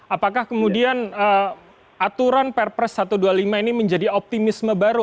apakah kemudian aturan perpres satu ratus dua puluh lima ini menjadi optimisme baru